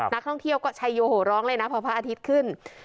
นักท่องเที่ยวก็ชัยโยโหร้องเลยนะพอพระอาทิตย์ขึ้น